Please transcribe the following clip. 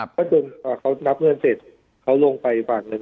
เขาจนเขานับเงินเสร็จเขาลงไปฝั่งหนึ่ง